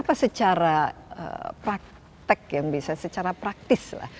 apa secara praktek yang bisa secara praktis lah